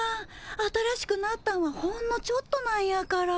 新しくなったんはほんのちょっとなんやから。